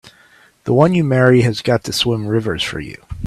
The one you marry has got to swim rivers for you!